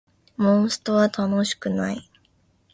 モンストは楽しくない